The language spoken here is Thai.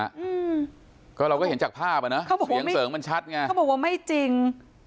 อืมก็เราก็เห็นจากภาพอ่ะนะเขาบอกเสียงเสริงมันชัดไงเขาบอกว่าไม่จริง